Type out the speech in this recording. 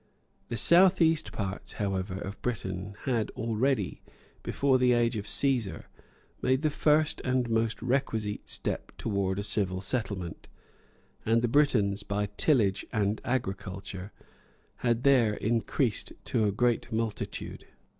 The south east parts, however, of Britain had already, before the age of Cæsar, made the first and most requisite step towards a civil settlement; and the Britons, by tillage and agriculture, had there increased to a great multitude.